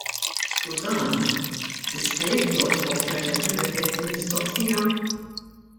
Skużani, tista' jekk jogħġbok terġa' tirrepeti l-mistoqsija?